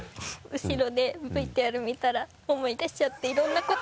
後ろでＶＴＲ見たら思い出しちゃっていろんなこと。